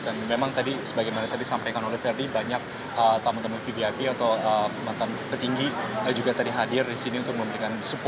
dan memang tadi sebagaimana tadi sampaikan oleh verdi banyak tamu tamu bghb atau mantan petinggi juga tadi hadir di sini untuk memberikan support